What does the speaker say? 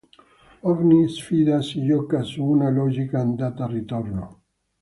Ogni sfida si gioca su una logica andata-ritorno.